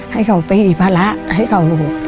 ให้เขาไปภาระให้เขาลูก